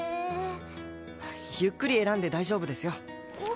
ゆっくり選んで大丈夫ですよ。